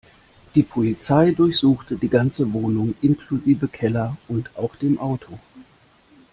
Die Polizei durchsuchte die ganze Wohnung inklusive Keller und auch dem Auto.